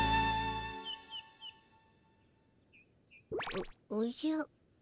おおじゃ。